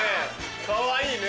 かわいいね。